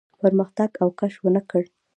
پرمختګ او کش ونه کړ.